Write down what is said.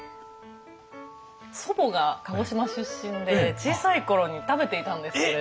祖母が鹿児島出身で小さい頃に食べていたんですけれども。